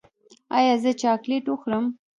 ایا زه چاکلیټ وخورم؟